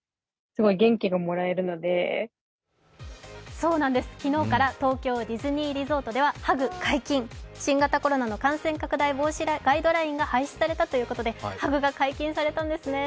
そうなんです、昨日から東京ディズニーリゾートではハグ解禁、新型コロナの感染防止ガイドラインが廃止されたということでハグが解禁されたんですね。